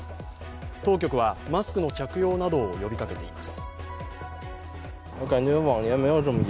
当局は、マスクの着用などを呼びかけています。